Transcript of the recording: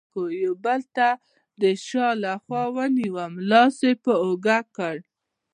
یوه بل تن د شا له خوا ونیولم، لاس یې په اوږه کې.